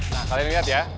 nah kalian lihat ya